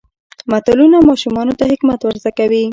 متلونه ماشومانو ته حکمت ور زده کوي.